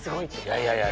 いやいやいや。